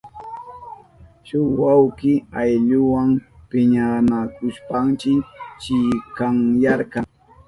Shuk wawki ayllunwa piñanakushpan chikanyarka.